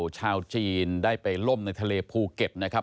ชาวจีนได้ไปล่มในทะเลภูเก็ตนะครับ